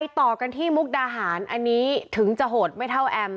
ต่อกันที่มุกดาหารอันนี้ถึงจะโหดไม่เท่าแอม